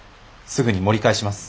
すぐに盛り返します。